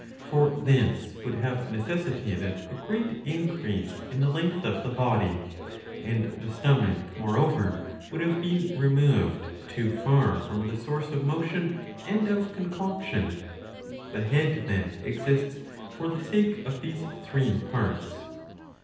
For this would have neces 686a. Il6 iv, 10. sitated a great increase in the length of the body ; and the stomach moreover would have been removed too far from the source of motion and of concoctiort^ The head, then, exists for the sake of these three parts.